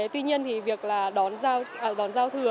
tuy nhiên thì việc là đón giao thừa